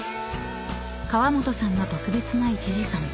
［川本さんの特別な１時間］